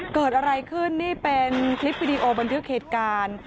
เกิดอะไรขึ้นนี่เป็นคลิปวีดีโอบรรเที่ยวเขตการณ์